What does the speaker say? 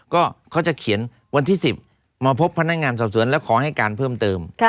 ก็เขาจะเขียนวันที่๑๐มาพบพนักงานสอบสวนแล้วขอให้การเพิ่มเติม